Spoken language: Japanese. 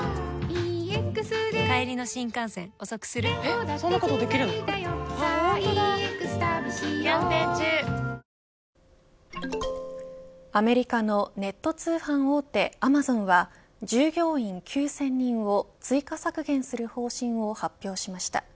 ぷはーっアメリカのネット通販大手アマゾンは従業員９０００人を追加削減する方針を発表しました。